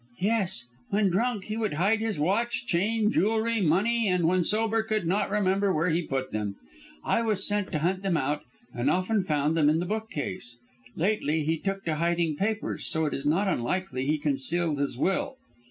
"Yes! When drunk he would hide his watch, chain, jewellery, money, and when sober could not remember where he put them. I was set to hunt them out, and often found them in that bookcase. Lately he took to hiding papers, so it is not unlikely he concealed his will.